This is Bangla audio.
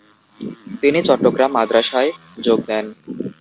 তিনি চট্টগ্রাম মাদ্রাসায় যোগ দেন।